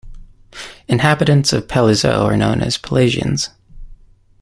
Inhabitants of Palaiseau are known as "Palaisiens".